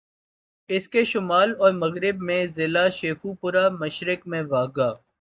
اسکے شمال اور مغرب میں ضلع شیخوپورہ، مشرق میں واہگہ